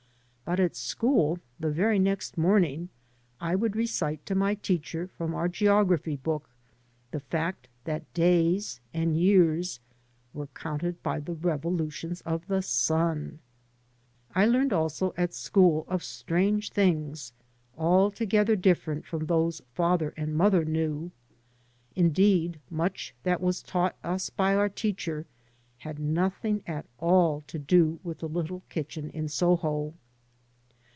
But at school the very next morning I would recite to my teacher from our geography book the fact that days and years were counted by the revolutions of the sun I I learned also at school of strange things altogether different from those father and mother knew. Indeed, much that was taught us by our teacher had nothing at all to do with the little kitchen in Soho.